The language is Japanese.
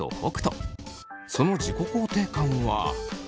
その自己肯定感は。